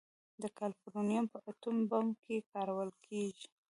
د کالیفورنیم په اټوم بم کې کارول کېږي.